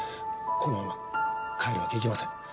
このまま帰るわけにいきません。